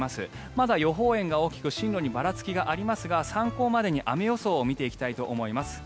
まだ予報円が大きく進路にばらつきがありますが参考までに雨予想を見ていきたいと思います。